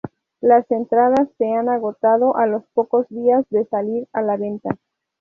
Las entradas se han agotado a los pocos días de salir a la venta.